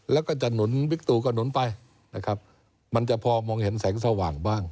แล้วก็จะหนุนบิ๊กตูกระหนุนไปนะครับมันจะพอมองเห็นแสงสว่างบ้าง